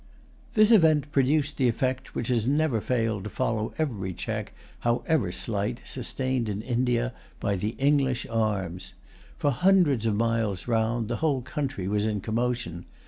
This event produced the effect which has never failed to follow every check, however slight, sustained in India by the English arms. For hundreds of miles round, the whole country was in commotion.